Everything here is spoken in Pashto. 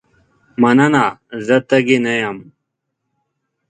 مننه زه تږې نه یم.